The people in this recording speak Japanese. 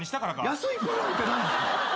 安いプランって何ですか？